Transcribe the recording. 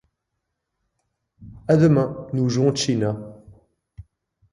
A demain, nous jouons Cinna.